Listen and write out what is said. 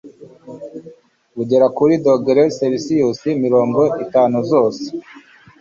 bugera kuri dogere Selisiyusi mirongo itanu zose.